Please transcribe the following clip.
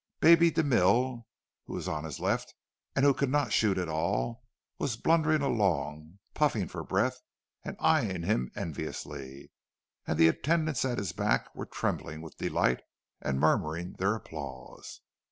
Baby de Mille, who was on his left, and who could not shoot at all, was blundering along, puffing for breath and eyeing him enviously; and the attendants at his back were trembling with delight and murmuring their applause.